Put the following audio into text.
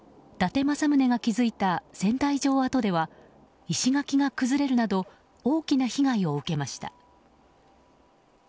伊達政宗が築いた仙台城跡では石垣が崩れるなど大きな被害を受けました。